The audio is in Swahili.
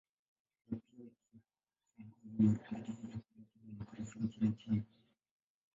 Ni pia kiongozi wa harakati ya kuleta demokrasia nchini China.